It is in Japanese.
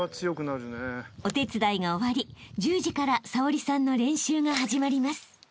［お手伝いが終わり１０時から早織さんの練習が始まります］